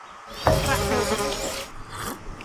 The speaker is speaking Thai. กระผม